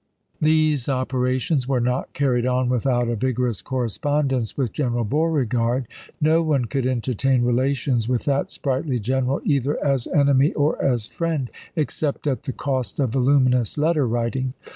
These operations were not carried on without a vigorous correspondence with General Beauregard ; no one could entertain relations with that sprightly general either as enemy or as friend except at the 438 ABKAHAM LINCOLN chap. xv. cost of voluminous letter writing.